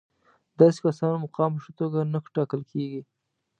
داسې کسانو مقام په ښه توګه نه ټاکل کېږي.